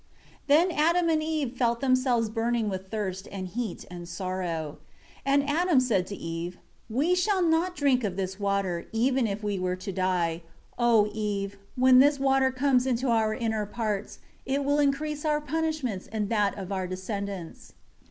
1 Then Adam and Eve felt themselves burning with thirst, and heat, and sorrow. 2 And Adam said to Eve, "We shall not drink of this water, even if we were to die. O Eve, when this water comes into our inner parts, it will increase our punishments and that of our descendants."